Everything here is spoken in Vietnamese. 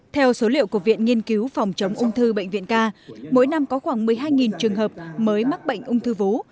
theo số liệu của viện nghiên cứu phòng chống ung thư bệnh viện ca mỗi năm có khoảng một mươi hai trường hợp mới mắc bệnh ung thư vú